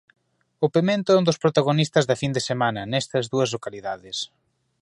O pemento é un dos protagonistas da fin de semana nesta dúas localidades.